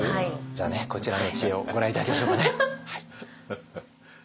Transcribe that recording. じゃあこちらの知恵をご覧頂きましょうかね。